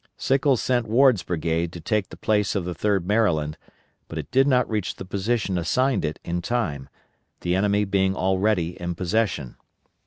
Sickles sent Ward's brigade to take the place of the 3d Maryland, but it did not reach the position assigned it in time, the enemy being already in possession.